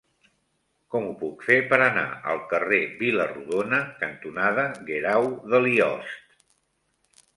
Com ho puc fer per anar al carrer Vila-rodona cantonada Guerau de Liost?